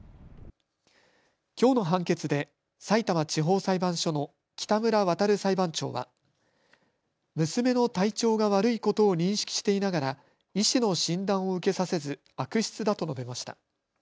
きょうの判決でさいたま地方裁判所の北村和裁判長は娘の体調が悪いことを認識していながら医師の診断を受けさせず悪質だと述べました。